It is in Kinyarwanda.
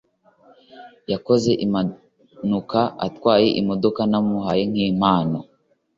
yakoze impanuka atwaye imodoka namuhaye nk’impano